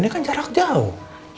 ini kan jarak jauh